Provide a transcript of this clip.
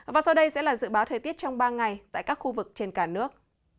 và sau đây sẽ là dự báo thời tiết trong ba ngày tại các khu vực trên cả nước